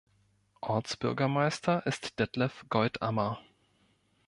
Ortsbürgermeister ist Detlef Goldammer.